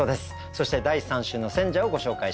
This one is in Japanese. そして第３週の選者をご紹介しましょう。